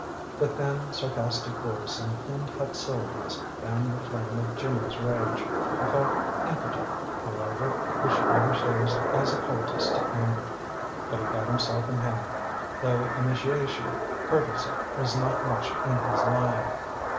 The thin, sarcastic voice and clean cut syllables fanned the flame of Jimmy's rage. He felt impotent, moreover, which never serves as a poultice to anger. But he got himself in hand, though imitation courtesy was not much in his line.